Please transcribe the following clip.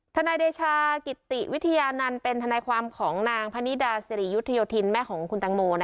ทนายเดชากิติวิทยานันต์เป็นทนายความของนางพนิดาสิริยุทธโยธินแม่ของคุณตังโม